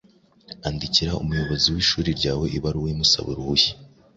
Andikira umuyobozi w’ishuri ryawe ibaruwa umusaba uruhushya